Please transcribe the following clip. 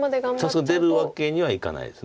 さすがに出るわけにはいかないです。